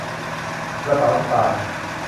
กระเป๋าสตางค์